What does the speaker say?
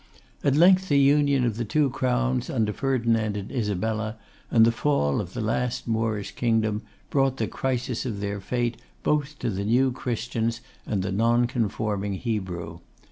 At length the union of the two crowns under Ferdinand and Isabella, and the fall of the last Moorish kingdom, brought the crisis of their fate both to the New Christian and the nonconforming Hebrew.